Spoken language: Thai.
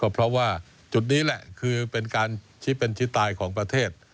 เพราะว่าจุดนี้แหละคือเป็นการชี้เป็นชี้ตายของประเทศ